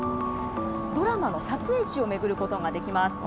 ドラマの撮影地を巡ることができます。